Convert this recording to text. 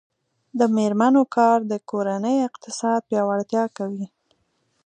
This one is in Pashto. د میرمنو کار د کورنۍ اقتصاد پیاوړتیا کوي.